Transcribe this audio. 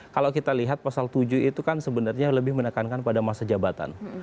kalau kita lihat pasal tujuh itu kan sebenarnya lebih menekankan pada masa jabatan